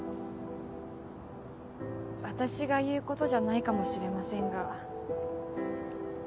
私が言うことじゃないかもしれませんが。